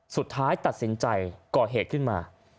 สุดท้ายตัดสินใจก่อเหตุขึ้นมา